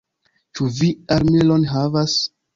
Ĉu vi armilon havas?